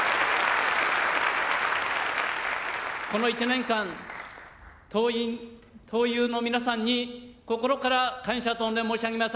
この１年間、党員・党友の皆さんに心から感謝と御礼を申し上げます。